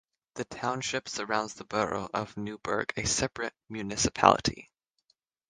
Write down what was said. The township surrounds the borough of Newburg, a separate municipality.